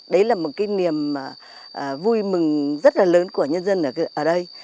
đấy là một cái niềm vui mừng rất là lớn của nhân dân ở đây